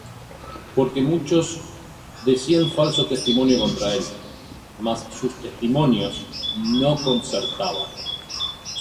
Porque muchos decían falso testimonio contra él; mas sus testimonios no concertaban.